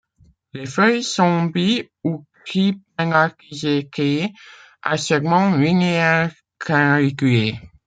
Les feuilles sont bi- ou tripennatiséquées, à segments linéaires, canaliculés.